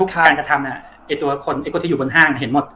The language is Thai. การกระทำคนที่อยู่บนห้างเห็นหมด